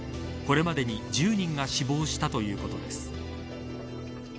これまでに１０人が死亡したということです。